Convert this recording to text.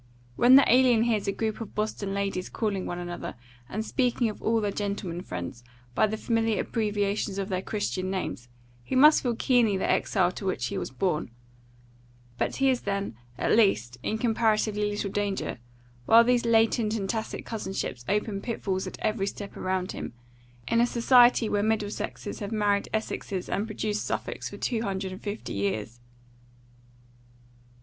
When the alien hears a group of Boston ladies calling one another, and speaking of all their gentlemen friends, by the familiar abbreviations of their Christian names, he must feel keenly the exile to which he was born; but he is then, at least, in comparatively little danger; while these latent and tacit cousinships open pitfalls at every step around him, in a society where Middlesexes have married Essexes and produced Suffolks for two hundred and fifty years.